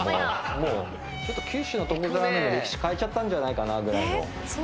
もう九州の豚骨ラーメンの歴史変えちゃったんじゃないかなぐらいの。